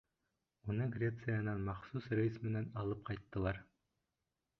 Уны Грециянан махсус рейс менән алып ҡайттылар.